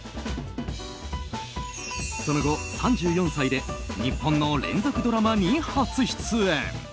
その後、３４歳で日本の連続ドラマに初出演。